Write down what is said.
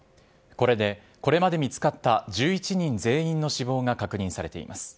これで、これまで見つかった１１人全員の死亡が確認されています。